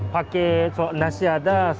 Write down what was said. pakai nasi ada